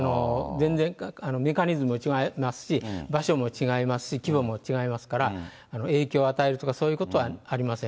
全然、メカニズムが違いますし、場所も違いますし、規模も違いますから、影響を与えるとか、そういうことはありません。